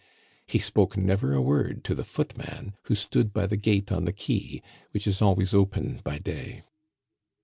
He spoke never a word to the footman, who stood by the gate on the quay, which is always open by day.